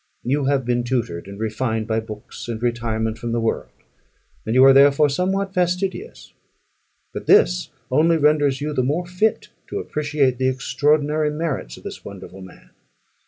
You have been tutored and refined by books and retirement from the world, and you are, therefore, somewhat fastidious; but this only renders you the more fit to appreciate the extraordinary merits of this wonderful man.